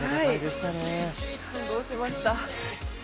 感動しました。